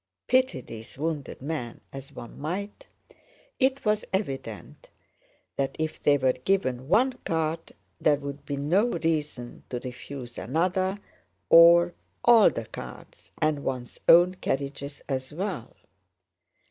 Pity these wounded men as one might, it was evident that if they were given one cart there would be no reason to refuse another, or all the carts and one's own carriages as well.